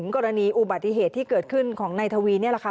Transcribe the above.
กรณีอุบัติเหตุที่เกิดขึ้นของนายทวีนี่แหละค่ะ